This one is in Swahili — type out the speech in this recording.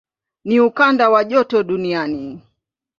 Ni ukanda wa joto duniani.